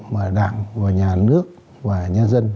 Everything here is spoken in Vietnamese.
mà đảng và nhà nước và nhân dân